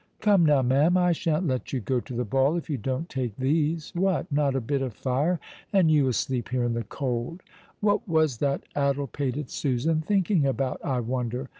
"Come now, ma'am, I shan't let you go to the ball if you don't take these. What, not a bit of fire — and you asleep here in the cold ? What was that addle pa ted Susan thinking about, I wonder?